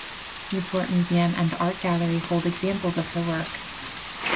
Newport Museum and Art Gallery hold examples of her work.